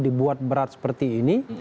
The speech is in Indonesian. dibuat berat seperti ini